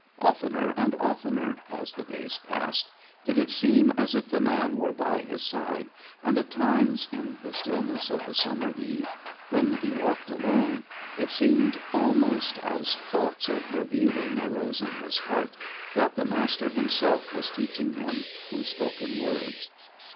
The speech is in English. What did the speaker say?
Oftener and oftener, as the days passed, did it seem as if the man were by his side, and at times, in the stillness of the summer eve, when he walked alone, it seemed almost, as thoughts of revealing arose in his heart, that the Master himself was teaching him in spoken words.